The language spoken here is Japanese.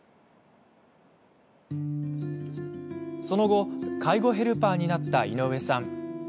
その後介護ヘルパーになった井上さん。